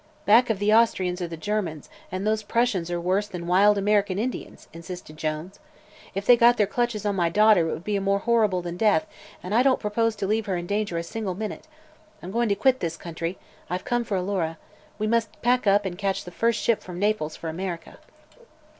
"Back of the Austrians are the Germans, and those Prussians are worse than wild American Indians," insisted Jones. "If they got their clutches on my daughter it would be more horrible than death and I don't propose to leave her in danger a single minute. I'm going to quit this country. I've come for Alora. We must pack up and catch the first ship from Naples for America."